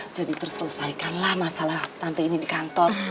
terselesaikanlah masalah tante ini di kantor